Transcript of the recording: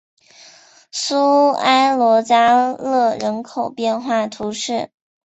苏埃罗加勒人口变化图示